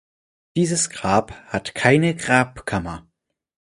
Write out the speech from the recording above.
Dieses Grab hat keine Grabkammer.